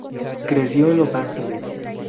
Creció en Los Ángeles.